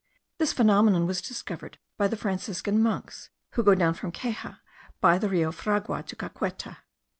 This phenomenon was discovered by the Franciscan monks, who go down from Ceja by the Rio Fragua to Caqueta.